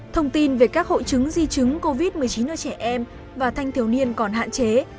thông tin về các hội chứng di chứng covid một mươi chín ở trẻ em và thanh thiếu niên còn hạn chế